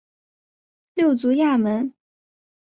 六足亚门。